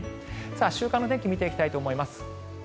週間の天気見ていきたいと思います。